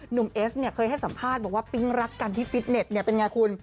เอสเนี่ยเคยให้สัมภาษณ์บอกว่าปิ๊งรักกันที่ฟิตเน็ตเนี่ยเป็นไงคุณ